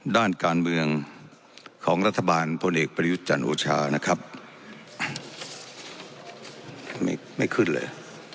ด้านการเมืองของรัฐบาลพลเอกประยุทธ์จันทร์โอชานะครับไม่ไม่ขึ้นเลย